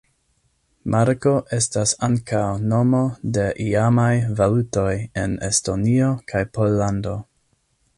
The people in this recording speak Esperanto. Marko estas ankaŭ nomo de iamaj valutoj en Estonio kaj Pollando.